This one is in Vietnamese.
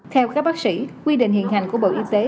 theo các bác sĩ quy định hiện hành của bộ y tế